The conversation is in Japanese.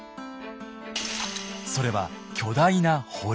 それは巨大な堀。